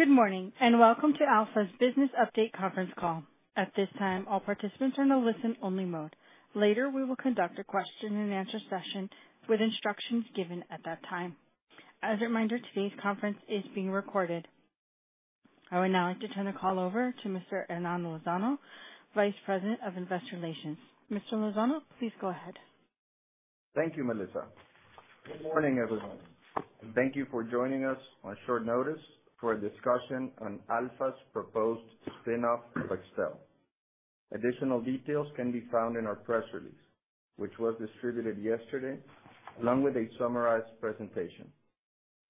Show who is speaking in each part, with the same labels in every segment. Speaker 1: Good morning, and welcome to Alfa's business update conference call. At this time, all participants are in a listen-only mode. Later, we will conduct a question-and-answer session with instructions given at that time. As a reminder, today's conference is being recorded. I would now like to turn the call over to Mr. Hernan Lozano, Vice President of Investor Relations. Mr. Lozano, please go ahead.
Speaker 2: Thank you, Melissa. Good morning, everyone, and thank you for joining us on short notice for a discussion on Alfa's proposed spin-off of Axtel. Additional details can be found in our press release, which was distributed yesterday, along with a summarized presentation.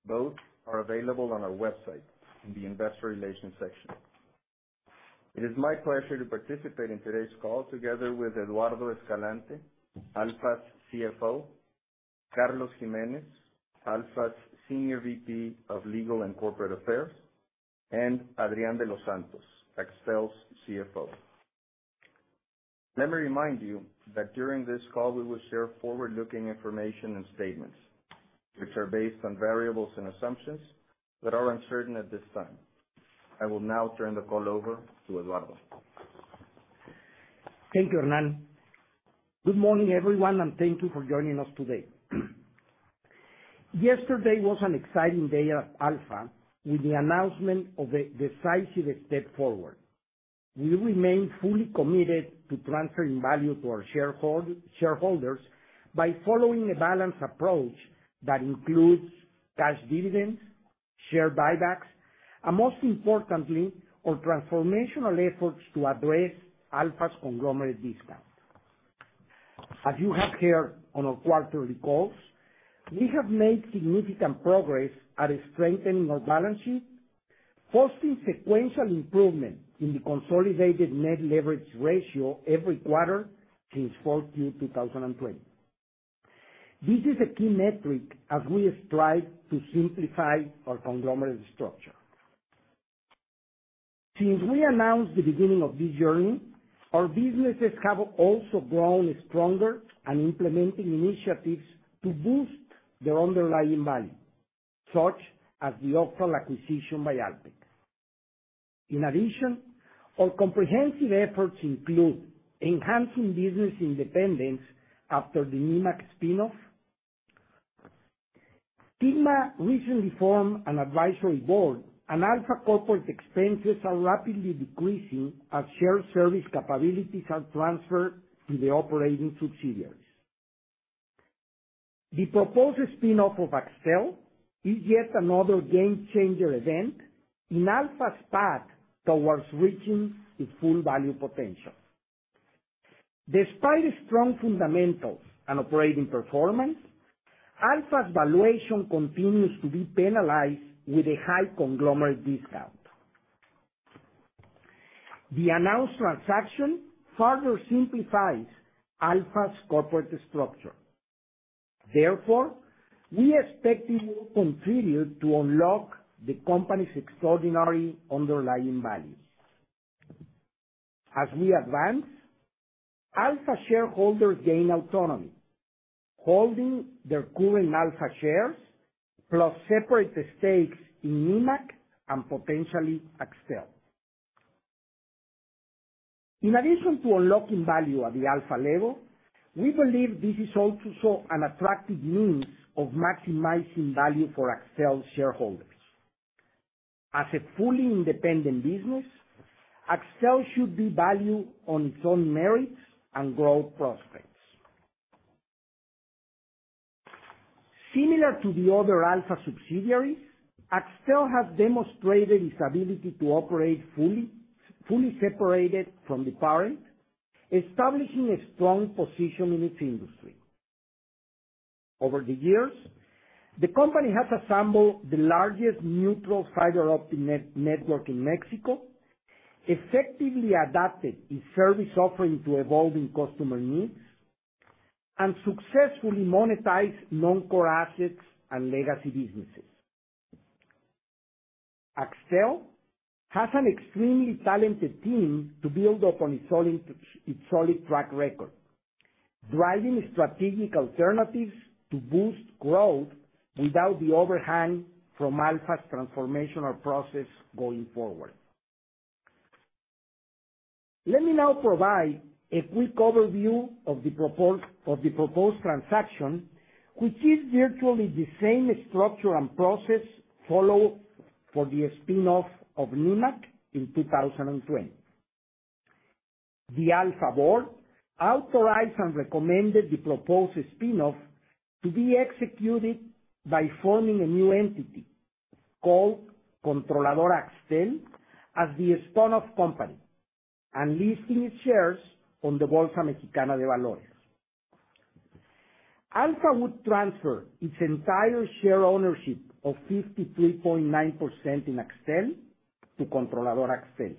Speaker 2: Both are available on our website in the investor relations section. It is my pleasure to participate in today's call together with Eduardo Escalante, Alfa's CFO, Carlos Jiménez, Alfa's Senior VP of Legal and Corporate Affairs, and Adrián de los Santos, Axtel's CFO. Let me remind you that during this call, we will share forward-looking information and statements which are based on variables and assumptions that are uncertain at this time. I will now turn the call over to Eduardo.
Speaker 3: Thank you, Hernan. Good morning, everyone, and thank you for joining us today. Yesterday was an exciting day at Alfa with the announcement of a decisive step forward. We remain fully committed to transferring value to our shareholders by following a balanced approach that includes cash dividends, share buybacks, and most importantly, our transformational efforts to address Alfa's conglomerate discount. As you have heard on our quarterly calls, we have made significant progress at strengthening our balance sheet, posting sequential improvement in the consolidated net leverage ratio every quarter since Q4 2020. This is a key metric as we strive to simplify our conglomerate structure. Since we announced the beginning of this journey, our businesses have also grown stronger and implementing initiatives to boost their underlying value, such as the Octal acquisition by Alpek. In addition, our comprehensive efforts include enhancing business independence after the Nemak spin-off. Sigma recently formed an advisory board, and Alfa corporate expenses are rapidly decreasing as shared service capabilities are transferred to the operating subsidiaries. The proposed spin-off of Axtel is yet another game-changer event in Alfa's path towards reaching its full value potential. Despite strong fundamentals and operating performance, Alfa's valuation continues to be penalized with a high conglomerate discount. The announced transaction further simplifies Alfa's corporate structure. Therefore, we expect it will continue to unlock the company's extraordinary underlying value. As we advance, Alfa shareholders gain autonomy, holding their current Alfa shares plus separate stakes in Nemak and potentially Axtel. In addition to unlocking value at the Alfa level, we believe this is also an attractive means of maximizing value for Axtel shareholders. As a fully independent business, Axtel should be valued on its own merits and growth prospects. Similar to the other Alfa subsidiaries, Axtel has demonstrated its ability to operate fully separated from the parent, establishing a strong position in its industry. Over the years, the company has assembled the largest neutral fiber optic network in Mexico, effectively adapted its service offering to evolving customer needs, and successfully monetized non-core assets and legacy businesses. Axtel has an extremely talented team to build upon its solid track record, driving strategic alternatives to boost growth without the overhang from Alfa's transformational process going forward. Let me now provide a quick overview of the proposed transaction, which is virtually the same structure and process followed for the spin-off of Nemak in 2020. The Alfa board authorized and recommended the proposed spin-off to be executed by forming a new entity called Controladora Axtel as the spin-off company and listing its shares on the Bolsa Mexicana de Valores. Alfa would transfer its entire share ownership of 53.9% in Axtel to Controladora Axtel.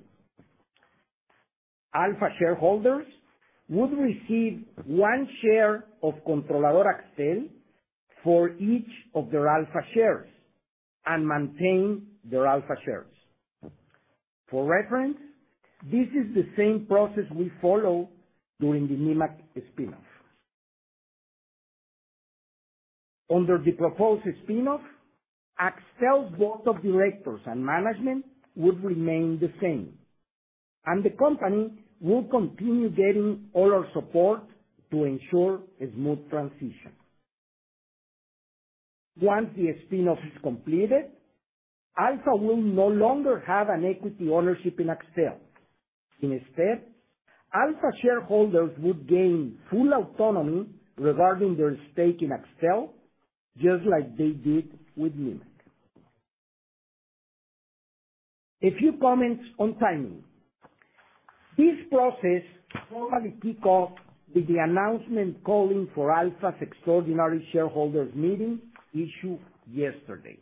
Speaker 3: Alfa shareholders would receive one share of Controladora Axtel for each of their Alfa shares and maintain their Alfa shares. For reference, this is the same process we followed during the Nemak spin-off. Under the proposed spin-off, Axtel board of directors and management would remain the same, and the company will continue getting all our support to ensure a smooth transition. Once the spin-off is completed, Alfa will no longer have an equity ownership in Axtel. Instead, Alfa shareholders would gain full autonomy regarding their stake in Axtel, just like they did with Nemak. A few comments on timing. This process formally kicks off with the announcement calling for Alfa's extraordinary shareholders meeting issued yesterday.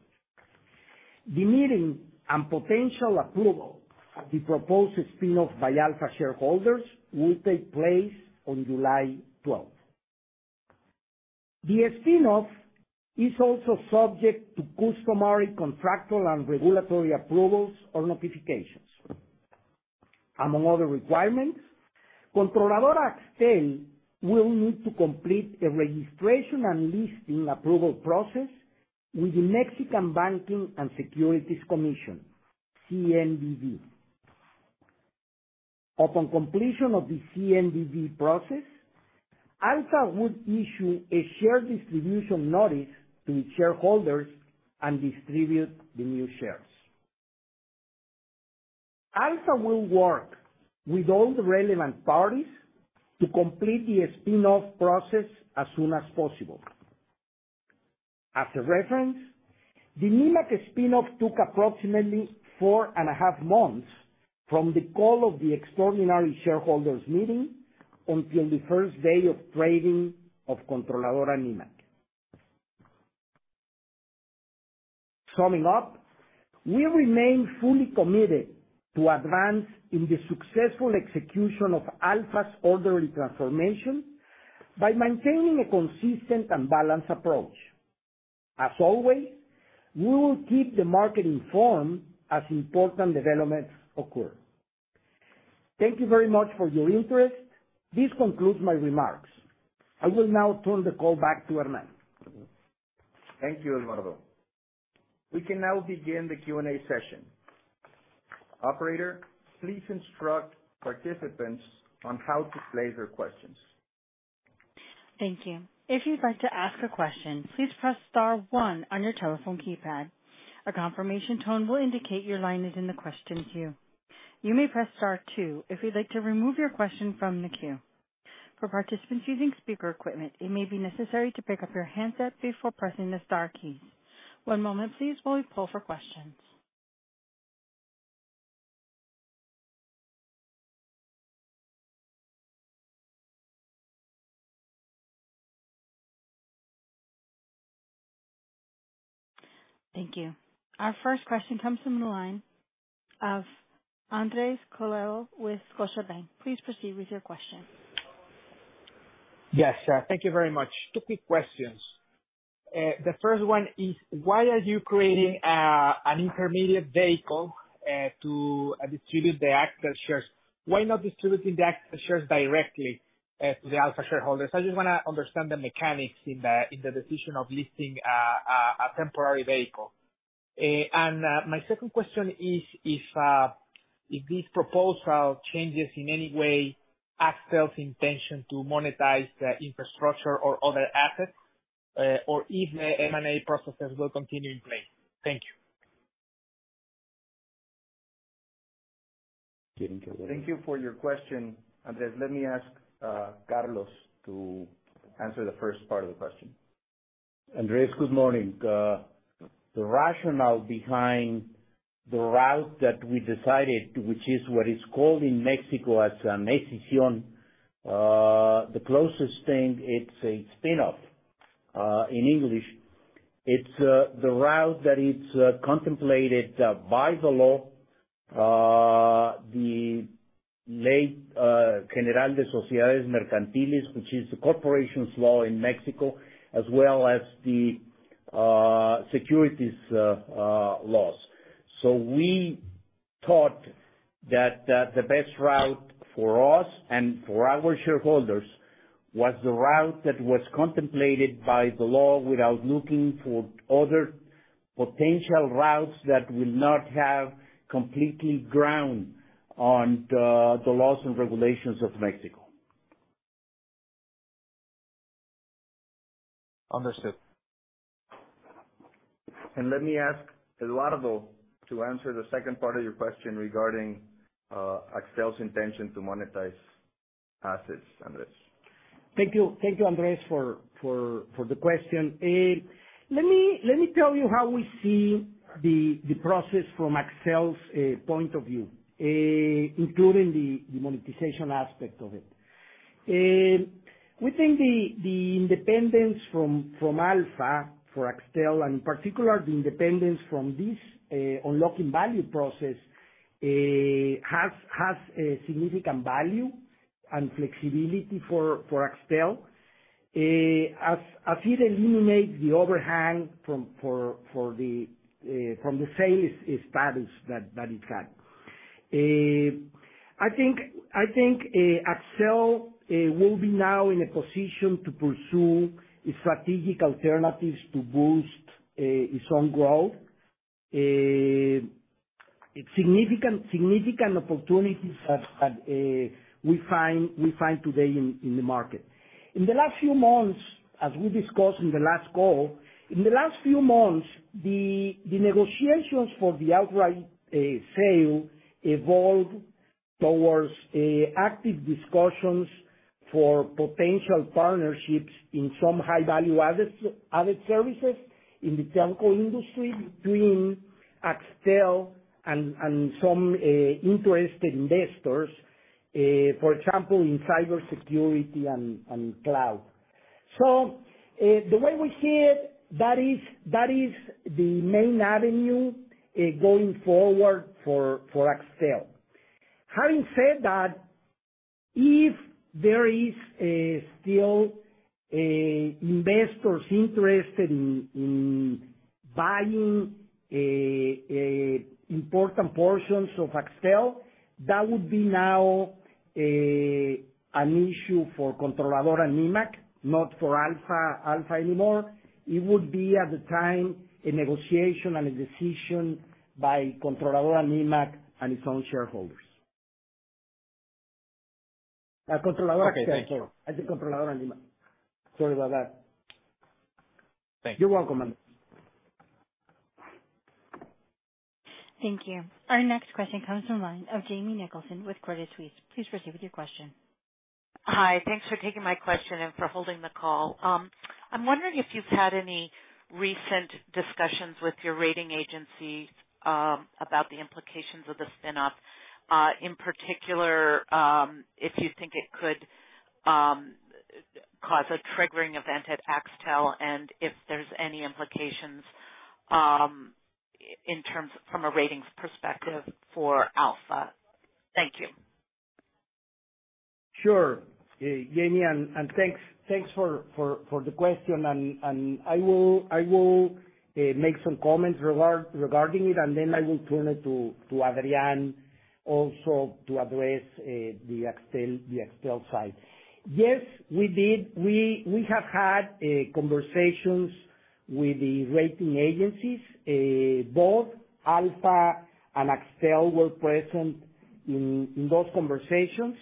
Speaker 3: The meeting and potential approval of the proposed spin-off by Alfa shareholders will take place on July 12th. The spin-off is also subject to customary contractual and regulatory approvals or notifications. Among other requirements, Controladora Axtel will need to complete a registration and listing approval process with the National Banking and Securities Commission, CNBV. Upon completion of the CNBV process, Alfa would issue a share distribution notice to its shareholders and distribute the new shares. Alfa will work with all the relevant parties to complete the spin-off process as soon as possible. As a reference, the Nemak spin-off took approximately four and a half months from the call of the extraordinary shareholders meeting until the first day of trading of Controladora Nemak. Summing up, we remain fully committed to advance in the successful execution of Alfa's orderly transformation by maintaining a consistent and balanced approach. As always, we will keep the market informed as important developments occur. Thank you very much for your interest. This concludes my remarks. I will now turn the call back to Hernan.
Speaker 2: Thank you, Eduardo. We can now begin the Q&A session. Operator, please instruct participants on how to place their questions.
Speaker 1: Thank you. If you'd like to ask a question, please press star one on your telephone keypad. A confirmation tone will indicate your line is in the question queue. You may press star two if you'd like to remove your question from the queue. For participants using speaker equipment, it may be necessary to pick up your handset before pressing the star keys. One moment please while we pull for questions. Thank you. Our first question comes from the line of Andrés Coello with Scotiabank. Please proceed with your question.
Speaker 4: Yes, thank you very much. Two quick questions. The first one is, why are you creating an intermediate vehicle to distribute the Axtel shares? Why not distributing the Axtel shares directly to the Alfa shareholders? I just wanna understand the mechanics in the decision of listing a temporary vehicle. My second question is, if this proposal changes in any way Axtel's intention to monetize the infrastructure or other assets, or if the M&A processes will continue in play? Thank you.
Speaker 2: Thank you for your question, Andres. Let me ask, Carlos to answer the first part of the question.
Speaker 5: Andrés, good morning. The rationale behind the route that we decided, which is what is called in Mexico as an escisión, the closest thing, it's a spin-off in English. It's the route that it's contemplated by the law. Ley General de Sociedades Mercantiles, which is the corporations law in Mexico, as well as the securities laws. We thought that the best route for us and for our shareholders was the route that was contemplated by the law without looking for other potential routes that will not have completely grounded on the laws and regulations of Mexico.
Speaker 4: Understood.
Speaker 2: Let me ask Eduardo to answer the second part of your question regarding Axtel's intention to monetize assets, Andres.
Speaker 3: Thank you. Thank you, Andres, for the question. Let me tell you how we see the process from Axtel's point of view, including the monetization aspect of it. We think the independence from Alfa for Axtel and particularly the independence from this unlocking value process has a significant value and flexibility for Axtel, as it eliminates the overhang from the sales established that it had. I think Axtel will be now in a position to pursue strategic alternatives to boost its own growth. Significant opportunities that we find today in the market. In the last few months, as we discussed in the last call, the negotiations for the outright sale evolved towards active discussions for potential partnerships in some high value added services in the telecom industry between Axtel and some interested investors, for example, in cybersecurity and cloud. The way we see it, that is the main avenue going forward for Axtel. Having said that, if there is still investors interested in buying important portions of Axtel, that would be now an issue for Controladora Nemak, not for Alfa anymore. It would be at the time a negotiation and a decision by Controladora Nemak and its own shareholders.
Speaker 4: Okay, thank you.
Speaker 3: I said Controladora Nemak. Sorry about that.
Speaker 4: Thank you.
Speaker 3: You're welcome.
Speaker 1: Thank you. Our next question comes from the line of Jamie Nicholson with Credit Suisse. Please proceed with your question.
Speaker 6: Hi. Thanks for taking my question and for holding the call. I'm wondering if you've had any recent discussions with your rating agency about the implications of the spin-off, in particular, if you think it could cause a triggering event at Axtel and if there's any implications in terms of a ratings perspective for Alfa. Thank you.
Speaker 3: Sure, Jamie, thanks for the question. I will make some comments regarding it, and then I will turn it to Adrián also to address the Axtel side. Yes, we did. We have had conversations with the rating agencies. Both Alfa and Axtel were present in those conversations.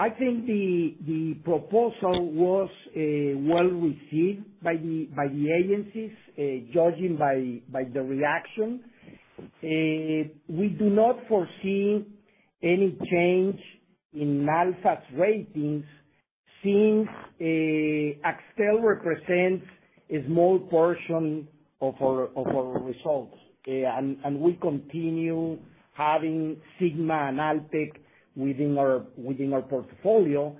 Speaker 3: I think the proposal was well received by the agencies, judging by the reaction. We do not foresee any change in Alfa's ratings since Axtel represents a small portion of our results, and we continue having Sigma and Alpek within our portfolio.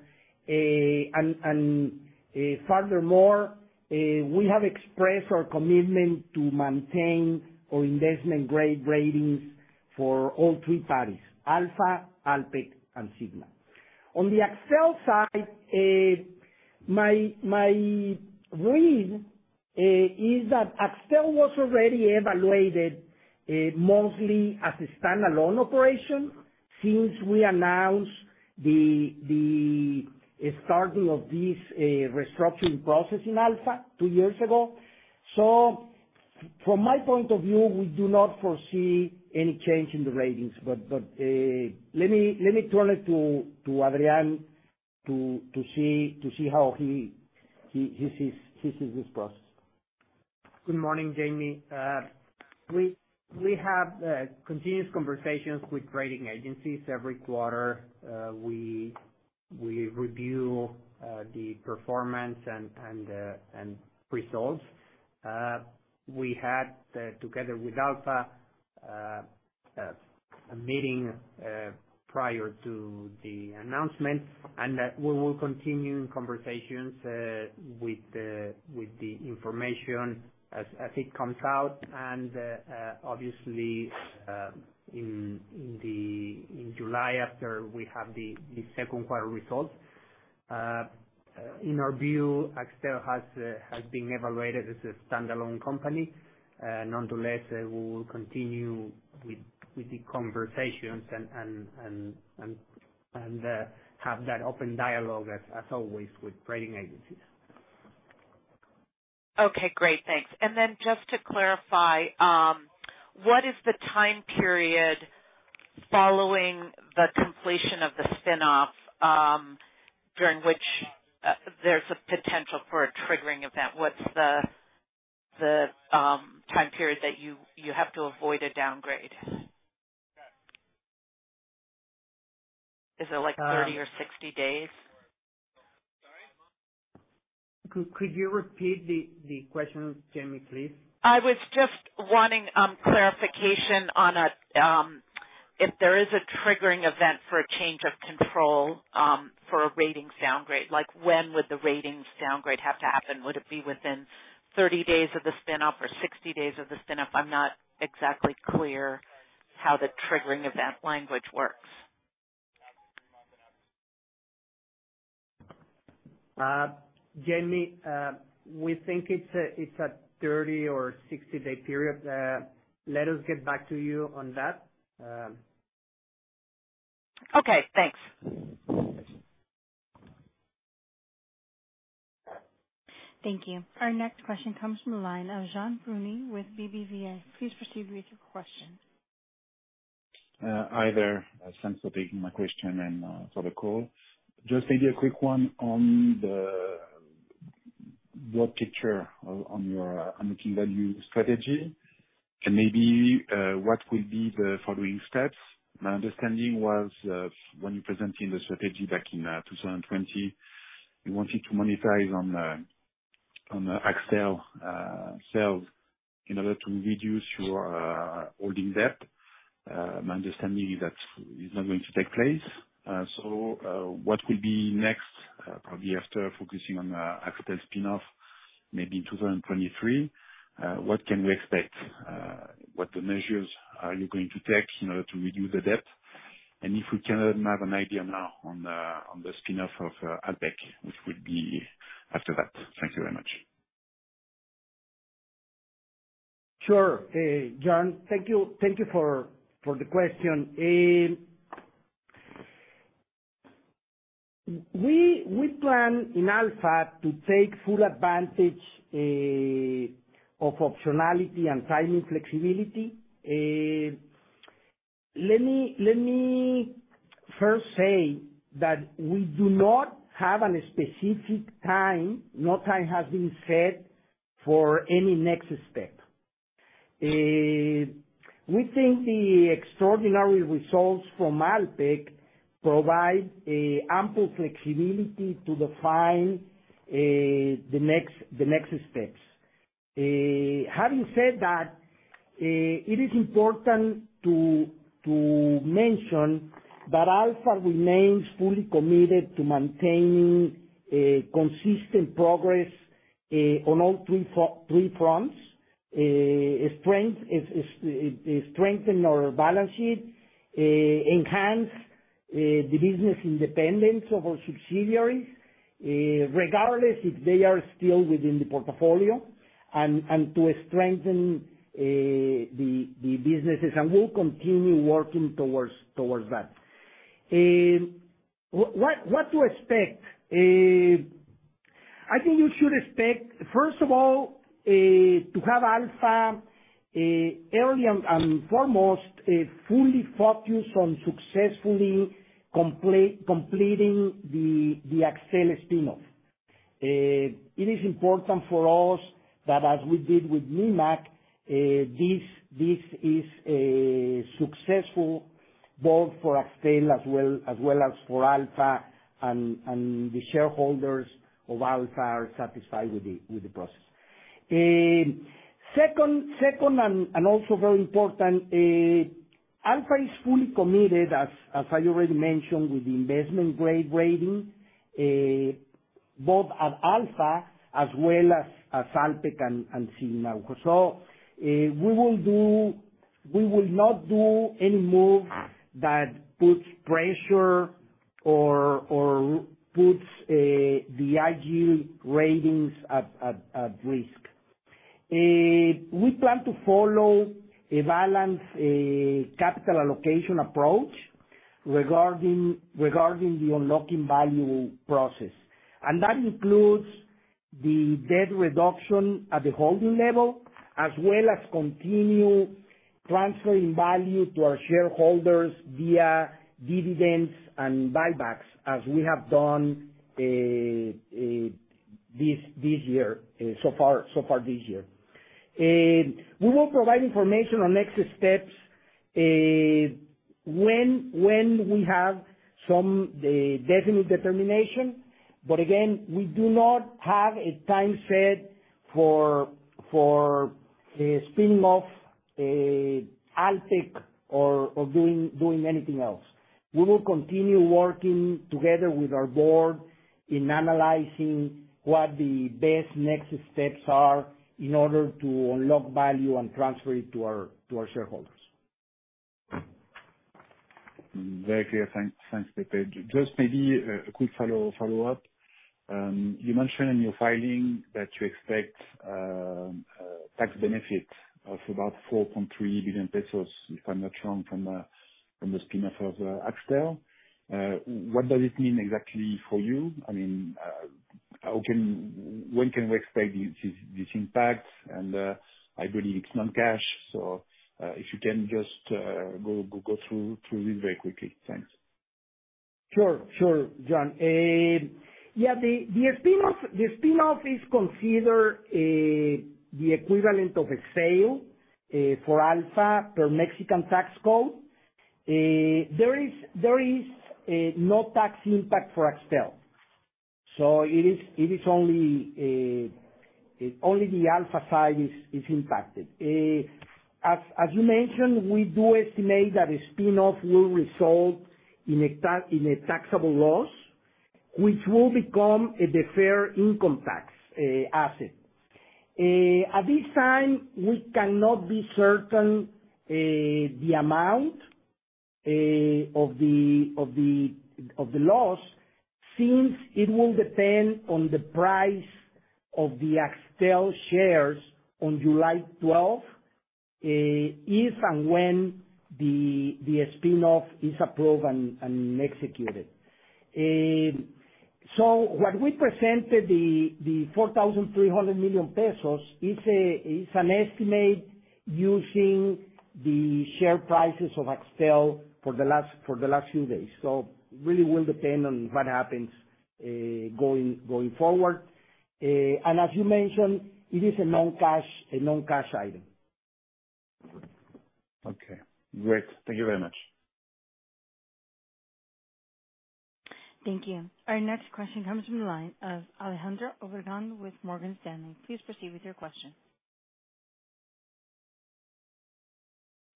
Speaker 3: Furthermore, we have expressed our commitment to maintain our investment-grade ratings for all three parties, Alfa, Alpek, and Sigma. On the Axtel side, my read is that Axtel was already evaluated, mostly as a standalone operation since we announced the starting of this restructuring process in Alfa two years ago. From my point of view, we do not foresee any change in the ratings. Let me turn it to Adrián to see how he sees this process.
Speaker 7: Good morning, Jamie. We have continuous conversations with rating agencies. Every quarter, we review the performance and results. We had together with Alfa a meeting prior to the announcement, and we will continue conversations with the information as it comes out and obviously in July after we have the second quarter results. In our view, Axtel has been evaluated as a standalone company. Nonetheless, we will continue with the conversations and have that open dialogue as always with rating agencies.
Speaker 6: Okay, great. Thanks. Just to clarify, what is the time period following the completion of the spin off, during which, there's a potential for a triggering event? What's the time period that you have to avoid a downgrade? Is it like 30 or 60 days?
Speaker 3: Could you repeat the question, Jamie, please?
Speaker 6: I was just wanting clarification on if there is a triggering event for a change of control for a ratings downgrade. Like, when would the ratings downgrade have to happen? Would it be within 30 days of the spin-off or 60 days of the spin-off? I'm not exactly clear how the triggering event language works.
Speaker 3: Jamie, we think it's a 30 or 60-day period. Let us get back to you on that.
Speaker 6: Okay, thanks.
Speaker 1: Thank you. Our next question comes from the line of Jean Bruny with BBVA. Please proceed with your question.
Speaker 8: Hi there. Thanks for taking my question and for the call. Just maybe a quick one on the overall picture on your overall value strategy, and maybe what will be the following steps. My understanding was when you're presenting the strategy back in 2020, you wanted to monetize on the Axtel sales in order to reduce your holding debt. My understanding is that is not going to take place. So what will be next, probably after focusing on Axtel spin-off maybe in 2023, what can we expect? What measures are you going to take in order to reduce the debt? If we can have an idea now on the spin-off of Alpek, which would be after that. Thank you very much.
Speaker 3: Sure. Jean, thank you for the question. We plan in Alfa to take full advantage of optionality and timing flexibility. Let me first say that we do not have any specific time. No time has been set for any next step. We think the extraordinary results from Alpek provide ample flexibility to define the next steps. Having said that, it is important to mention that Alfa remains fully committed to maintaining a consistent progress on all three fronts. Strengthen our balance sheet, enhance the business independence of our subsidiaries, regardless if they are still within the portfolio and to strengthen the businesses. We'll continue working towards that. What to expect? I think you should expect, first of all, to have Alfa early and foremost fully focused on successfully completing the Axtel spin-off. It is important for us that as we did with Nemak, this is a successful both for Axtel as well as for Alfa, and the shareholders of Alfa are satisfied with the process. Second, and also very important, Alfa is fully committed, as I already mentioned, with the investment grade rating both at Alfa as well as Alpek and Sigma. We will not do any moves that puts pressure or puts the investment-grade ratings at risk. We plan to follow a balanced capital allocation approach regarding the unlocking value process. That includes the debt reduction at the holding level, as well as continue transferring value to our shareholders via dividends and buybacks as we have done this year so far this year. We will provide information on next steps when we have some definite determination. We do not have a time set for a spinning of Alpek or doing anything else. We will continue working together with our board in analyzing what the best next steps are in order to unlock value and transfer it to our shareholders.
Speaker 8: Very clear. Thanks, Pepe. Just maybe a quick follow-up. You mentioned in your filing that you expect a tax benefit of about 4.3 billion pesos, if I'm not wrong, from the spin-off of Axtel. What does it mean exactly for you? I mean, when can we expect this impact? I believe it's non-cash, so if you can just go through this very quickly. Thanks.
Speaker 3: Sure, Jean. Yeah, the spin-off is considered the equivalent of a sale for Alfa per Mexican tax code. There is no tax impact for Axtel. So it is only the Alfa side is impacted. As you mentioned, we do estimate that the spin-off will result in a taxable loss, which will become a deferred income tax asset. At this time, we cannot be certain the amount of the loss, since it will depend on the price of the Axtel shares on July 12, if and when the spin-off is approved and executed. What we presented, the 4,300 million pesos is an estimate using the share prices of Axtel for the last few days. Really will depend on what happens going forward. As you mentioned, it is a non-cash item.
Speaker 8: Okay, great. Thank you very much.
Speaker 1: Thank you. Our next question comes from the line of Alejandra Obregón with Morgan Stanley. Please proceed with your question.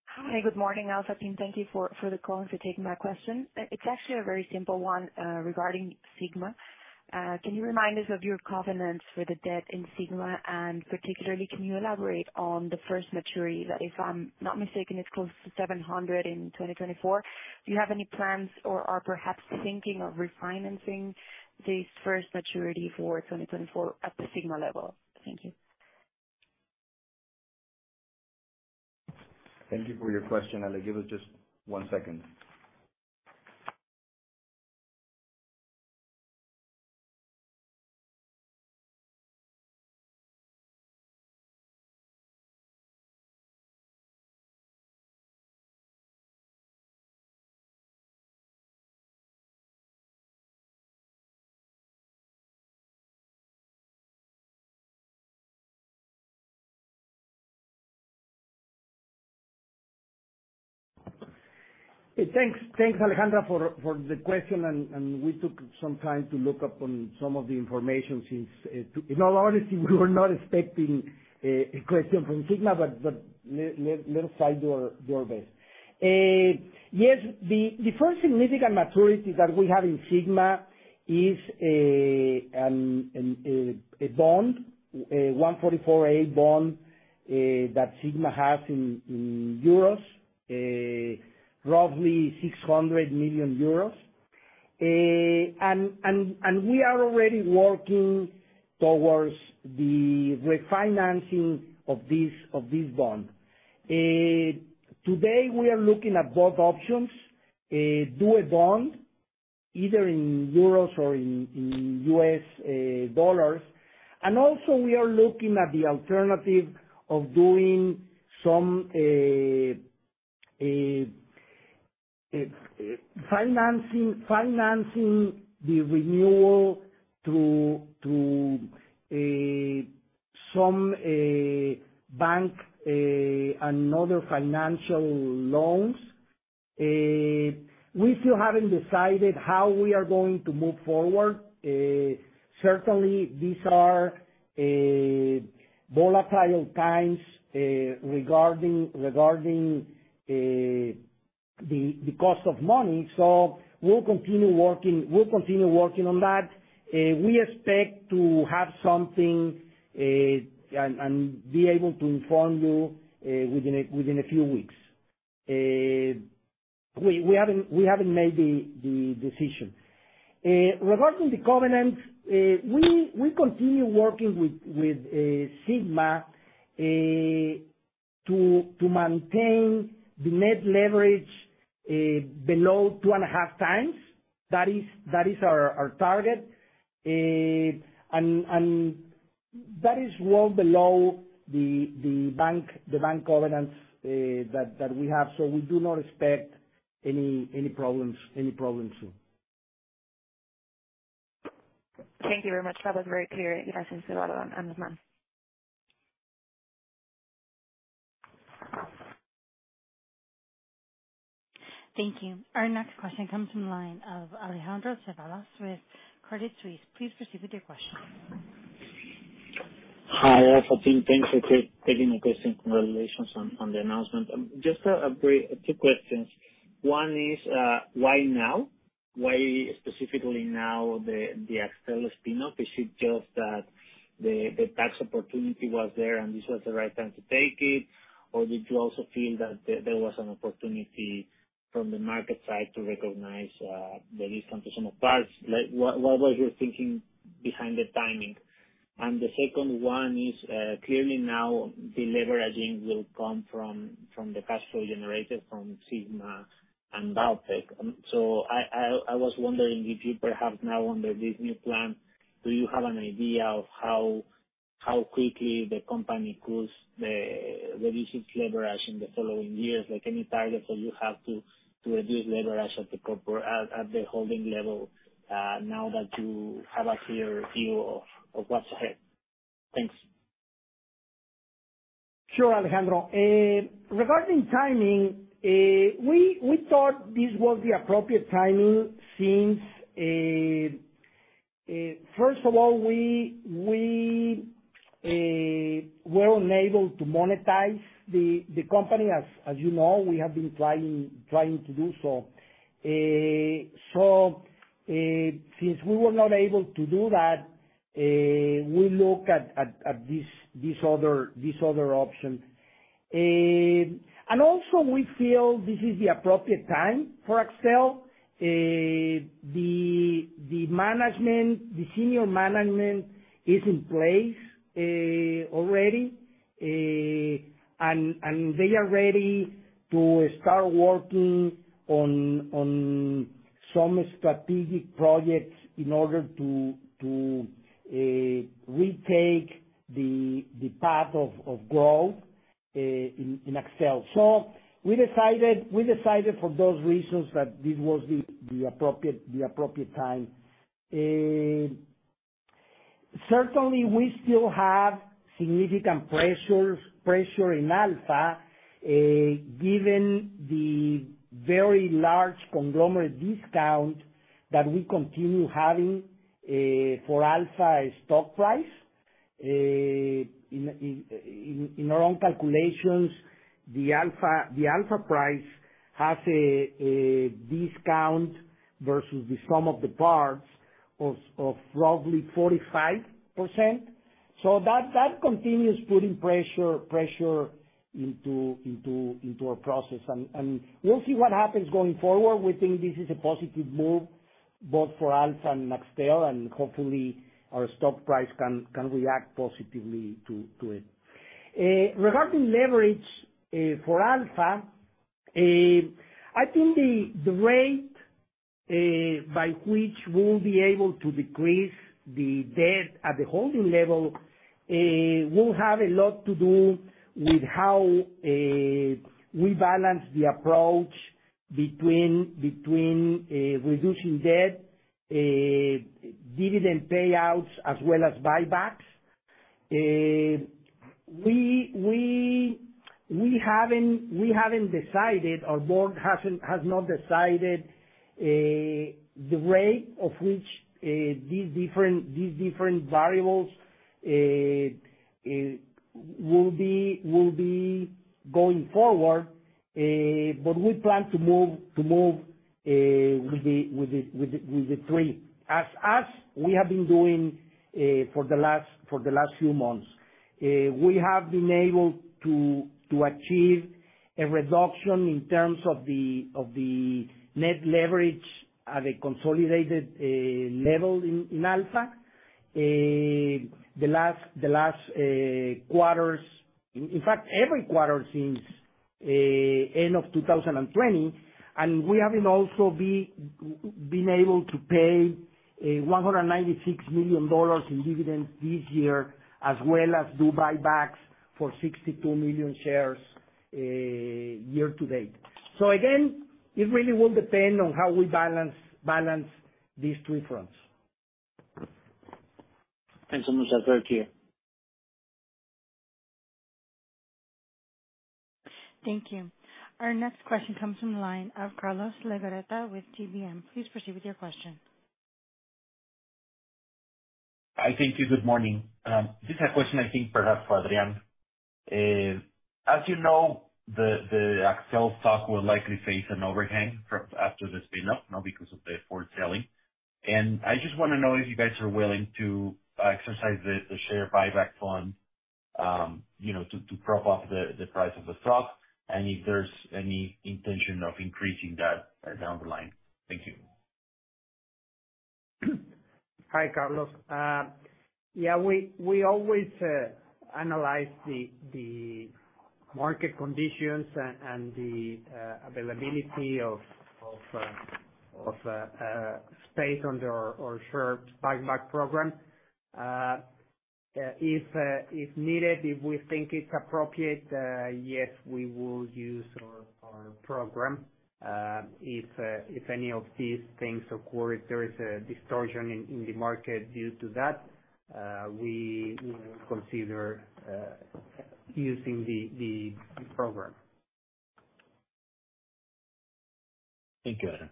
Speaker 9: Hi, good morning, Alfa team. Thank you for the call, and for taking my question. It's actually a very simple one, regarding Sigma. Can you remind us of your covenants for the debt in Sigma? Particularly, can you elaborate on the first maturity that, if I'm not mistaken, is close to 700 in 2024. Do you have any plans or are perhaps thinking of refinancing this first maturity for 2024 at the Sigma level? Thank you.
Speaker 2: Thank you for your question, Ale. Give us just one second. Thanks.
Speaker 3: Thanks, Alejandra, for the question. We took some time to look up some of the information. In all honesty, we were not expecting a question from Sigma, but let us find your basis. Yes, the first significant maturity that we have in Sigma is a 144A bond that Sigma has in euros, roughly 600 million euros. We are already working towards the refinancing of this bond. Today we are looking at both options, do a bond either in euros or in U.S. dollars. We are looking at the alternative of doing some financing the renewal through to some bank and other financial loans. We still haven't decided how we are going to move forward. Certainly these are volatile times regarding the cost of money. We'll continue working on that. We expect to have something and be able to inform you within a few weeks. We haven't made the decision. Regarding the covenants, we continue working with Sigma to maintain the net leverage below 2.5x. That is our target. That is well below the bank covenants that we have. We do not expect any problems here.
Speaker 9: Thank you very much. That was very clear.
Speaker 3: Gracias.
Speaker 1: Thank you. Our next question comes from the line of Alejandro Ceballos with Credit Suisse. Please proceed with your question.
Speaker 10: Hi, Alfa team. Thanks for taking my question. Congratulations on the announcement. Just a brief two questions. One is, why now? Why specifically now the Axtel spin-off? Is it just that the tax opportunity was there, and this was the right time to take it? Or did you also feel that there was an opportunity from the market side to recognize the sum-of-the-parts? Like, what was your thinking behind the timing? The second one is, clearly now the leverage will come from the cash flow generated from Sigma and Alpek. So I was wondering if you perhaps now under this new plan, do you have an idea of how quickly the company could reduce its leverage in the following years? Like any target that you have to reduce leverage at the holding level, now that you have a clearer view of what's ahead? Thanks.
Speaker 3: Sure, Alejandro. Regarding timing, we thought this was the appropriate timing. First of all, we weren't able to monetize the company. As you know, we have been trying to do so. Since we were not able to do that, we look at this other option. And also we feel this is the appropriate time for Axtel. The senior management is in place already. And they are ready to start working on some strategic projects in order to retake the path of growth in Axtel. We decided for those reasons that this was the appropriate time. Certainly we still have significant pressures in Alfa, given the very large conglomerate discount that we continue having for Alfa stock price. In our own calculations, the Alfa price has a discount versus the sum of the parts of roughly 45%. That continues putting pressure into our process. We'll see what happens going forward. We think this is a positive move both for Alfa and Axtel, and hopefully our stock price can react positively to it. Regarding leverage for Alfa, I think the rate by which we'll be able to decrease the debt at the holding level will have a lot to do with how we balance the approach between reducing debt, dividend payouts, as well as buybacks. We haven't decided, our board has not decided the rate at which these different variables will be going forward. We plan to move with the three, as we have been doing for the last few months. We have been able to achieve a reduction in terms of the net leverage at a consolidated level in Alfa. The last quarters. In fact, every quarter since the end of 2020. We have also been able to pay $196 million in dividends this year, as well as do buybacks for 62 million shares year to date. Again, it really will depend on how we balance these three fronts.
Speaker 10: Thanks so much. I heard you.
Speaker 1: Thank you. Our next question comes from the line of Carlos Legarreta with GBM. Please proceed with your question.
Speaker 11: Hi. Thank you. Good morning. Just a question I think perhaps for Adrián. As you know, the Axtel stock will likely face an overhang from after the spin-off, you know, because of the forward selling. I just wanna know if you guys are willing to exercise the share buyback fund, you know, to prop up the price of the stock, and if there's any intention of increasing that, down the line. Thank you.
Speaker 7: Hi, Carlos. Yeah, we always analyze the market conditions and the availability of space under our share buyback program. If needed, if we think it's appropriate, yes, we will use our program. If any of these things occur, if there is a distortion in the market due to that, we will consider using the program.
Speaker 11: Thank you, Adrián.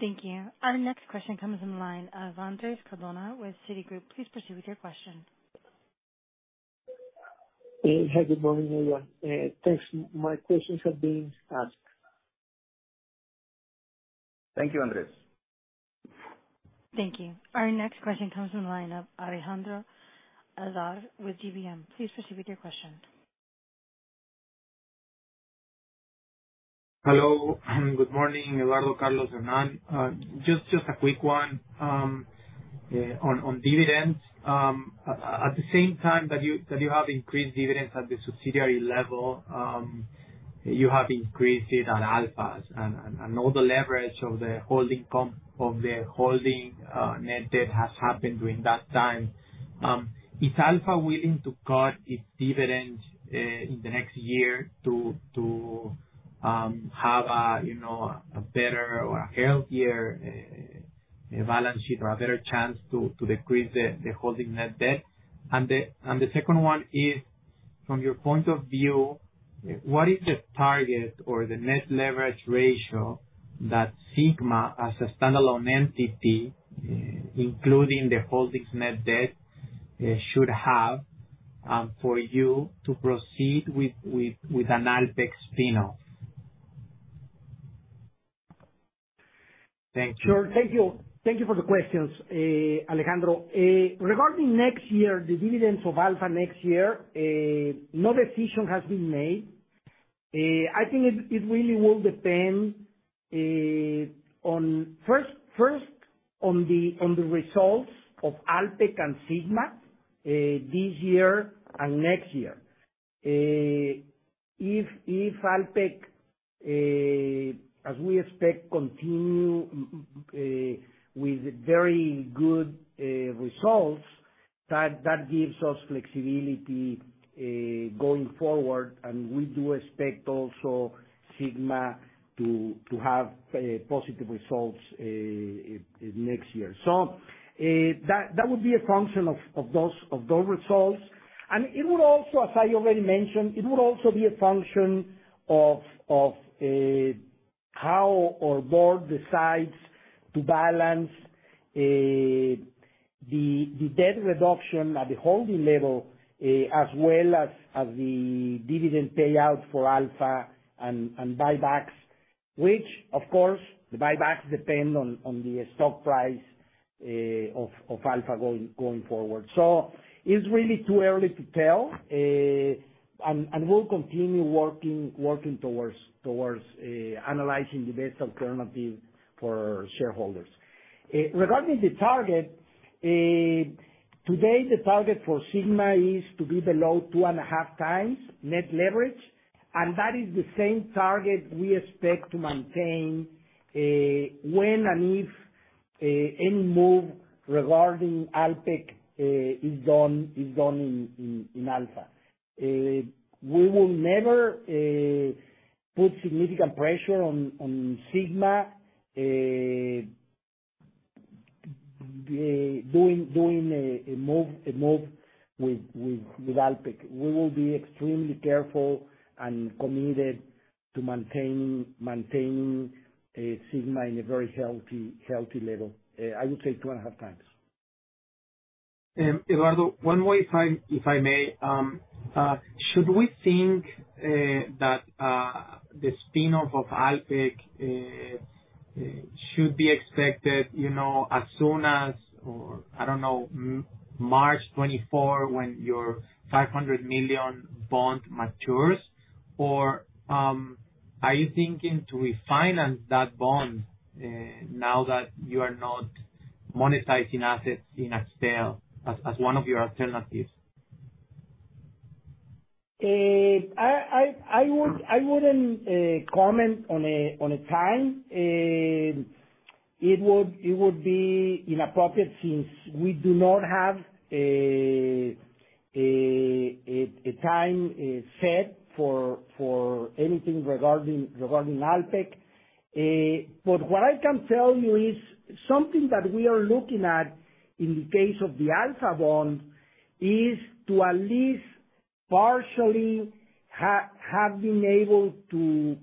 Speaker 1: Thank you. Our next question comes from the line of Andres Cardona with Citigroup. Please proceed with your question.
Speaker 12: Hi. Good morning, everyone. Thanks. My questions have been asked.
Speaker 3: Thank you, Andres.
Speaker 1: Thank you. Our next question comes from the line of Alejandro Azar with GBM. Please proceed with your question.
Speaker 13: Hello. Good morning, Eduardo, Carlos, Hernan. Just a quick one on dividends. At the same time that you have increased dividends at the subsidiary level, you have increased it at Alfa's. All the leverage of the holding net debt has happened during that time. Is Alfa willing to cut its dividends in the next year to have a you know a better or a healthier balance sheet or a better chance to decrease the holding net debt? The second one is, from your point of view, what is the target or the net leverage ratio that Sigma as a standalone entity, including the holding's net debt, should have for you to proceed with an Alpek spin-off. Thank you.
Speaker 3: Sure. Thank you. Thank you for the questions, Alejandro. Regarding next year, the dividends of Alfa next year, no decision has been made. I think it really will depend on the results of Alpek and Sigma this year and next year. If Alpek, as we expect, continue with very good results, that gives us flexibility going forward. We do expect also Sigma to have positive results next year. That would be a function of those results. It would also, as I already mentioned, be a function of how our board decides to balance the debt reduction at the holding level, as well as the dividend payout for Alfa and buybacks, which of course the buybacks depend on the stock price of Alfa going forward. It's really too early to tell. We'll continue working towards analyzing the best alternative for shareholders. Regarding the target today, the target for Sigma is to be below 2.5x net leverage, and that is the same target we expect to maintain when and if any move regarding Alpek is done in Alfa. We will never put significant pressure on Sigma doing a move with Alpek. We will be extremely careful and committed to maintaining Sigma in a very healthy level. I would say 2.5x.
Speaker 13: Eduardo, one more if I may. Should we think that the spin-off of Alpek should be expected, you know, as soon as, or, I don't know, March 2024 when your 500 million bond matures? Or, are you thinking to refinance that bond, now that you are not monetizing assets in a sale as one of your alternatives?
Speaker 3: I wouldn't comment on a time. It would be inappropriate since we do not have a time set for anything regarding Alpek. What I can tell you is something that we are looking at in the case of the Alfa bond is to at least partially have been able to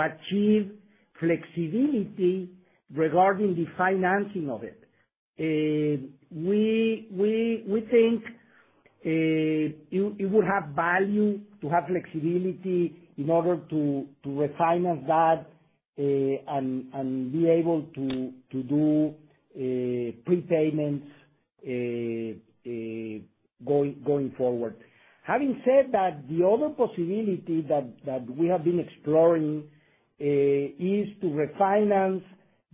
Speaker 3: achieve flexibility regarding the financing of it. We think it would have value to have flexibility in order to refinance that and be able to do prepayments going forward. Having said that, the other possibility that we have been exploring is to refinance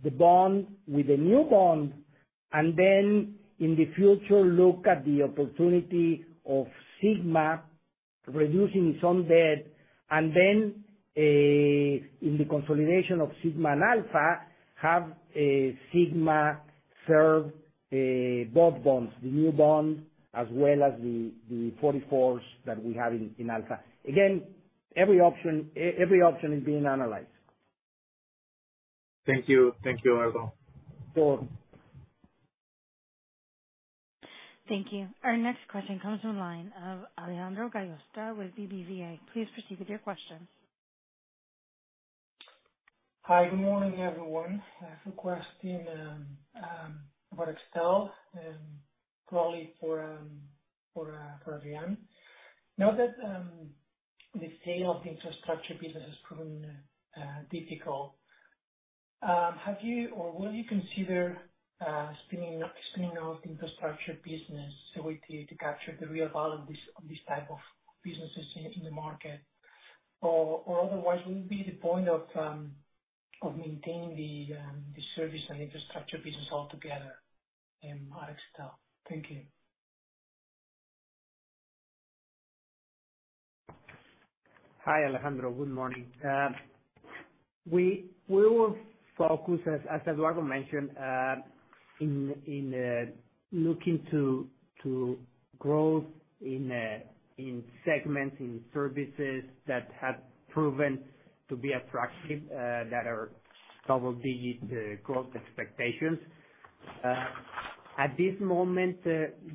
Speaker 3: the bond with a new bond and then in the future look at the opportunity of Sigma reducing some debt. In the consolidation of Sigma and Alfa, have Sigma serve both bonds, the new bond as well as the 144s that we have in Alfa. Again, every option is being analyzed.
Speaker 13: Thank you. Thank you, Eduardo.
Speaker 3: Sure.
Speaker 1: Thank you. Our next question comes from the line of Alejandro Gallostra with BBVA. Please proceed with your question.
Speaker 14: Hi, good morning, everyone. I have a question about Axtel, probably for Adrián. Now that the sale of infrastructure business has proven difficult, have you or will you consider spinning out infrastructure business so to capture the real value of this type of businesses in the market? Or otherwise, what would be the point of maintaining the service and infrastructure business altogether in Axtel? Thank you.
Speaker 7: Hi, Alejandro. Good morning. We will focus as Eduardo mentioned in looking to growth in segments in services that have proven to be attractive that are double-digit growth expectations. At this moment,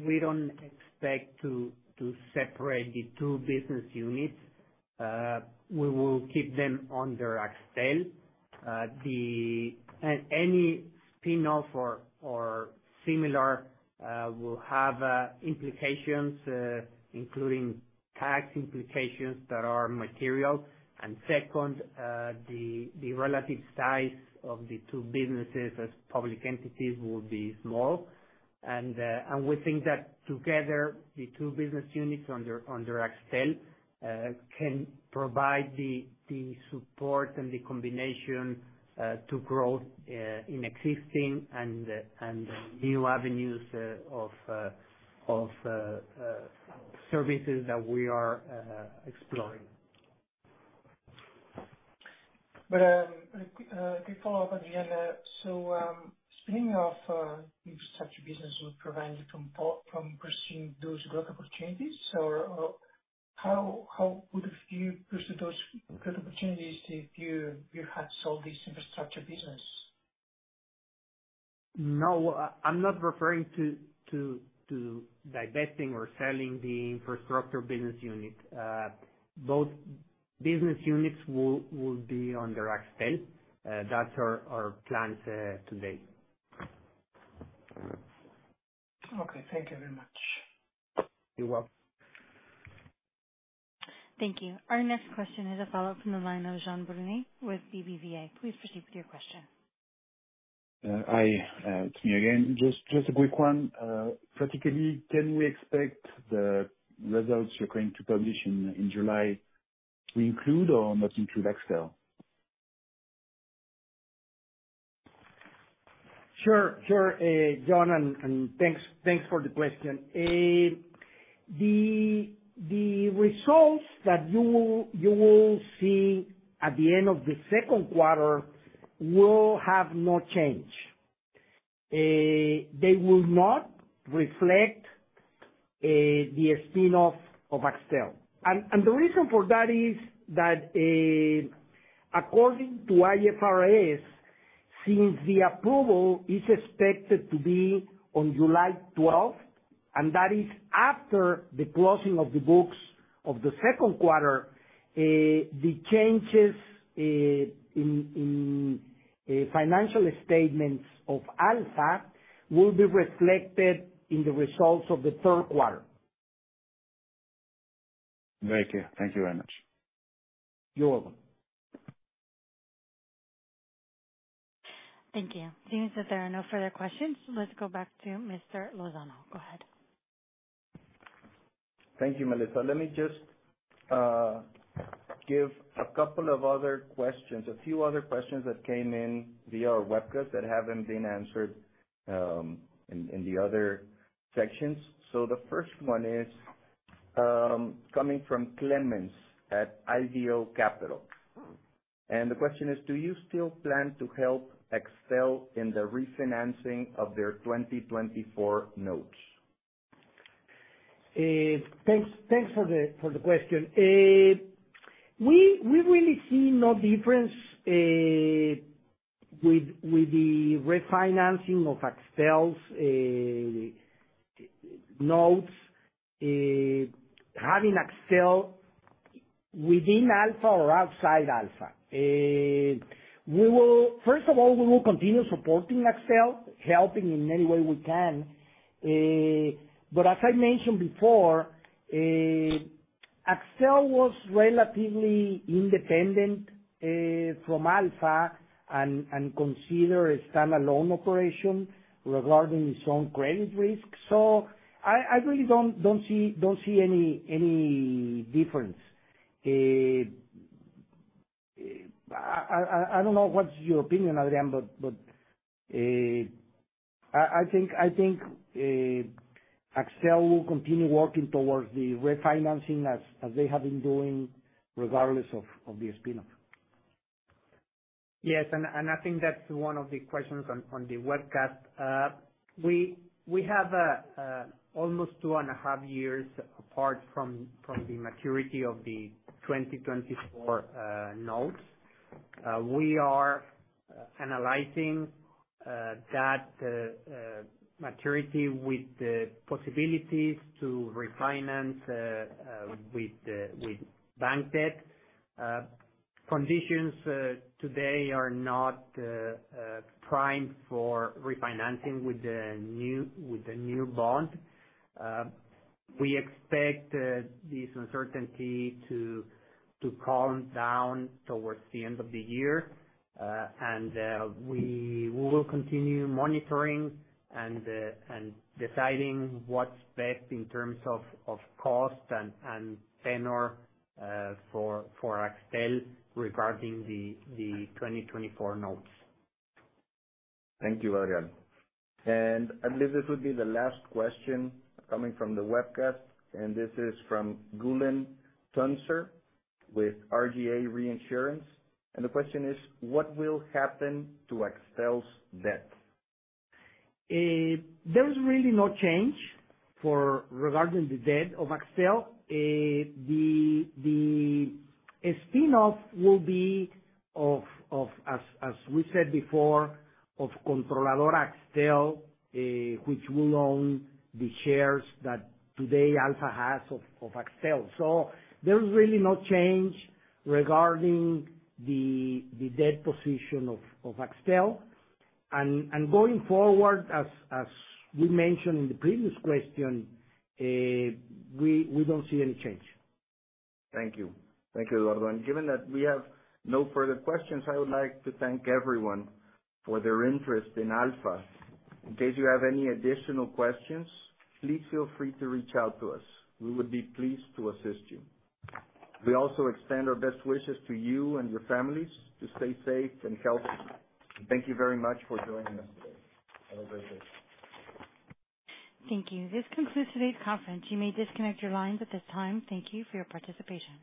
Speaker 7: we don't expect to separate the two business units. We will keep them under Axtel. Any spin-off or similar will have implications, including tax implications that are material. Second, the relative size of the two businesses as public entities will be small. We think that together, the two business units under Axtel can provide the support and the combination to growth in existing and new avenues of services that we are exploring.
Speaker 14: A quick follow-up, Adrián. Spinning off infrastructure business will prevent you from pursuing those growth opportunities? Or how would you pursue those growth opportunities if you had sold this infrastructure business?
Speaker 7: No, I'm not referring to divesting or selling the infrastructure business unit. Both business units will be under Axtel. That's our plans to date.
Speaker 14: Okay, thank you very much.
Speaker 7: You're welcome.
Speaker 1: Thank you. Our next question is a follow-up from the line of Jean Bruny with BBVA. Please proceed with your question.
Speaker 8: Hi, it's me again. Just a quick one. Practically, can we expect the results you're going to publish in July to include or not include Axtel?
Speaker 3: Jean, thanks for the question. The results that you will see at the end of the second quarter will have no change. They will not reflect the spin-off of Axtel. The reason for that is that, according to IFRS, since the approval is expected to be on July 12th, and that is after the closing of the books of the second quarter, the changes in financial statements of Alfa will be reflected in the results of the third quarter.
Speaker 8: Thank you. Thank you very much.
Speaker 2: You're welcome.
Speaker 1: Thank you. Seeing that there are no further questions, let's go back to Mr. Lozano. Go ahead.
Speaker 2: Thank you, Melissa. Let me just give a couple of other questions, a few other questions that came in via our webcast that haven't been answered, in the other sections. The first one is coming from Clemens at IDEO Capital. The question is: Do you still plan to help Axtel in the refinancing of their 2024 notes?
Speaker 3: Thanks for the question. We really see no difference with the refinancing of Axtel's notes having Axtel within Alfa or outside Alfa. First of all, we will continue supporting Axtel, helping in any way we can. As I mentioned before, Axtel was relatively independent from Alfa and considered a standalone operation regarding its own credit risk. I don't see any difference. I don't know what's your opinion, Adrián, but I think Axtel will continue working towards the refinancing as they have been doing regardless of the spin-off.
Speaker 7: Yes, I think that's one of the questions on the webcast. We have almost 2.5 years apart from the maturity of the 2024 notes. We are analyzing that maturity with the possibilities to refinance with bank debt. Conditions today are not primed for refinancing with the new bond. We expect this uncertainty to calm down towards the end of the year. We will continue monitoring and deciding what's best in terms of cost and tenure for Axtel regarding the 2024 notes.
Speaker 2: Thank you, Adrián. I believe this will be the last question coming from the webcast, and this is from Gülen Tüncer with RGA Reinsurance. The question is: What will happen to Axtel's debt?
Speaker 3: There is really no change regarding the debt of Axtel. The spin-off will be of Controladora Axtel, as we said before, which will own the shares that today Alfa has of Axtel. There's really no change regarding the debt position of Axtel. Going forward, as we mentioned in the previous question, we don't see any change.
Speaker 2: Thank you. Thank you, Eduardo. Given that we have no further questions, I would like to thank everyone for their interest in Alfa. In case you have any additional questions, please feel free to reach out to us. We would be pleased to assist you. We also extend our best wishes to you and your families to stay safe and healthy. Thank you very much for joining us today. Have a great day.
Speaker 1: Thank you. This concludes today's conference. You may disconnect your lines at this time. Thank you for your participation.